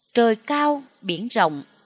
trời cao biển rộng